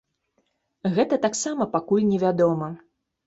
Гэта таксама пакуль невядома.